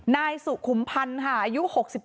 นายสุขุมพันธ์ค่ะอายุ๖๗